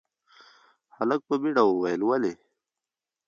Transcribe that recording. هلک په بيړه وويل، ولې؟